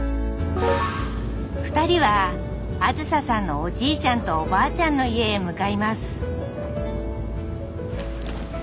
２人はあずささんのおじいちゃんとおばあちゃんの家へ向かいます誰？